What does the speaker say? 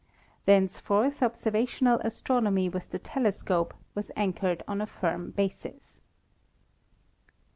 Thenceforth observa tional astronomy with the telescope was anchored on a firm basis.